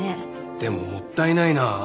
でももったいないなあ。